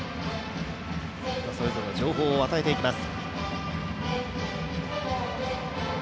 それぞれの情報を与えていきます。